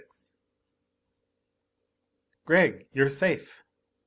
XXVI "Gregg, you're safe!"